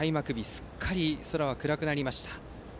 すっかり空は暗くなりました。